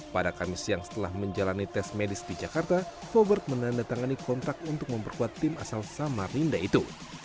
pada kamis siang setelah menjalani tes medis di jakarta fobert menandatangani kontak untuk memperkuat tim asal samarinda itu